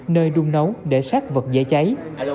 nơi đun nấu để sát vật dễ cháy